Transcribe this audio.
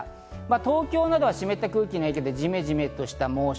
東京などは湿った空気の影響でじめじめとした猛暑。